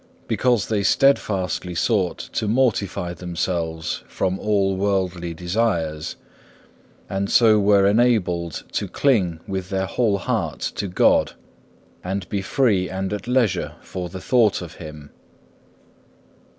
Because they steadfastly sought to mortify themselves from all worldly desires, and so were enabled to cling with their whole heart to God, and be free and at leisure for the thought of Him.